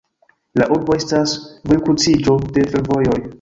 La urbo estas vojkruciĝo de fervojoj.